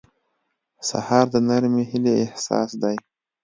سهار د نرمې هیلې احساس دی.